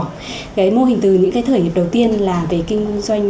cái mô hình từ những cái khởi nghiệp đầu tiên là về kinh doanh